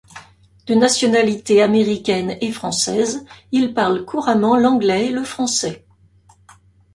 De nationalité américaine et française, il parle couramment l'anglais et le français.